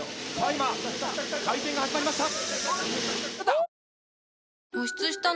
今回転が始まりました。